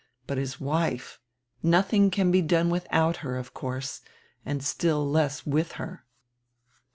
But his wife! Nothing can be done without her, of course, and still less with her."